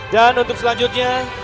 dan untuk selanjutnya